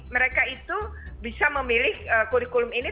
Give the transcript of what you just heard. mereka itu bisa memilih kurikulum ini